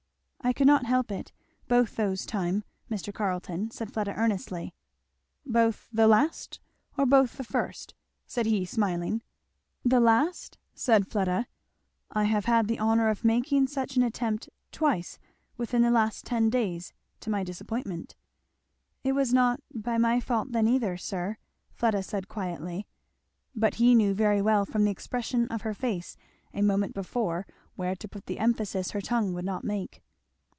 "I could not help it, both those time, Mr. Carleton," said Fleda earnestly. "Both the last? or both the first?" said he smiling. "The last? " said Fleda. "I have had the honour of making such an attempt twice within the last ten days to my disappointment." "It was not by my fault then either, sir," Fleda said quietly. But he knew very well from the expression of her face a moment before where to put the emphasis her tongue would not make.